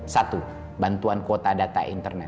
satu bantuan kuota data